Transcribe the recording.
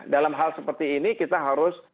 dalam hal seperti ini kita harus